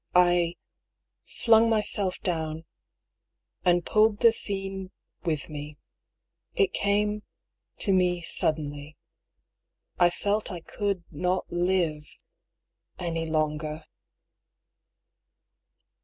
I — flung myself down — and pulled the scene — with me. It came to me — suddenly. I felt I could not live — any — longer."